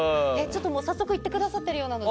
早速行ってくださってるようなので。